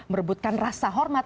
merebutkan rasa hormat